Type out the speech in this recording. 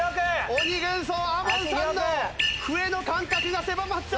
鬼軍曹ＡＭＯＮさんの笛の間隔が狭まった。